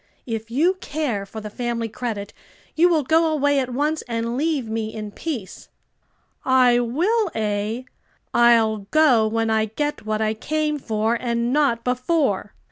"If you care for the family credit you will go away at once and leave me in peace." "I will, eh? I'll go when I get what I came for, and not before."